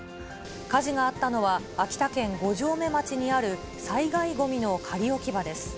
火事があったのは、秋田県五城目町にある災害ごみの仮置き場です。